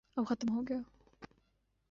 اب ختم ہوگیا۔